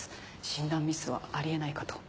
診断ミスはあり得ないかと。